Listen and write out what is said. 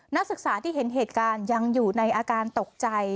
นักศึกษาที่เห็นเหตุการณ์ยังอยู่ในอาการตกใจ